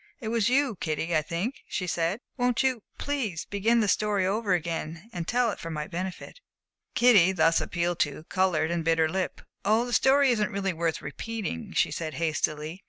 "It was you, Kitty, I think," she said. "Won't you please begin the story over again and tell it for my benefit?" "Kitty," thus appealed to, colored and bit her lip. "Oh, the story isn't really worth repeating," she said, hastily.